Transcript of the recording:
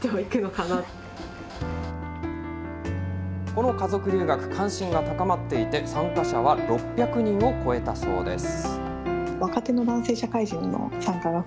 この家族留学、関心が高まっていて、参加者は６００人を超えたそうです。